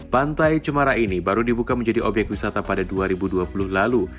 pantai cemara ini baru dibuka menjadi obyek wisata pada dua ribu dua puluh lalu